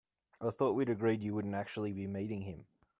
I thought we'd agreed that you wouldn't actually be meeting him?